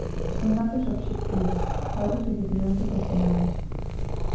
Son datos obxectivos, datos dificilmente cuestionables.